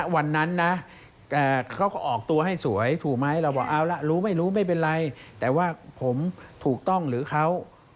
วันนั้นนะเขาก็ออกตัวให้สวยถูกไหมเราบอกเอาละรู้ไม่รู้ไม่เป็นไรแต่ว่าผมถูกต้องหรือเขา